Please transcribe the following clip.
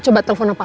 opa kenapa opa